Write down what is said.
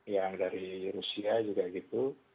yang dari rusia juga gitu